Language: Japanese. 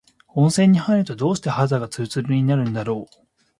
温泉に入ると、どうして肌がつるつるになるんだろう。